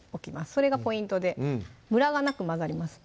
それがポイントでムラがなく混ざります